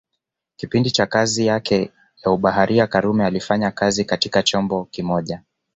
Kipindi cha kazi yake ya ubaharia karume alifanya kazi katika chombo kimoja